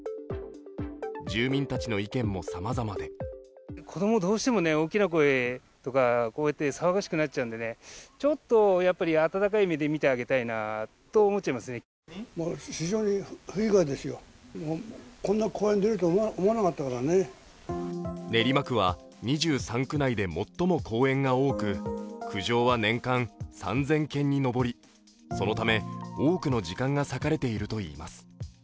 住民たちの意見もさまざまで練馬区は２３区内で最も公園が多く苦情は年間３０００件に上りそのため多くの時間が割かれているといいます。